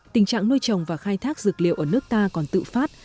tình trạng nuôi trồng và khai thác dược liệu ở nước ta còn tự phát